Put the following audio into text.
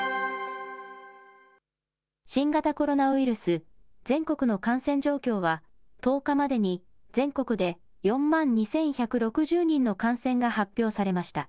新型コロナウイルス、全国の感染状況は、１０日までに全国で４万２１６０人の感染が発表されました。